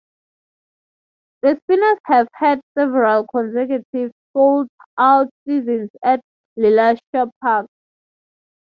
The Spinners have had several consecutive sold-out seasons at LeLacheur Park.